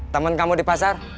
temen kamu di pasar